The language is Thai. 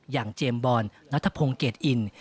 อย่างเจมบอลณทะพงเกรดอิน